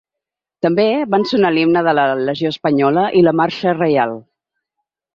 També van sonar l’himne de la legió espanyola i la ‘Marxa reial’.